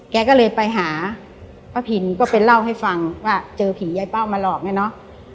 แกก็เลยไปหาป้าพินก็ไปเล่าให้ฟังว่าเจอผียายเป้ามาหลอกเนี่ยเนอะ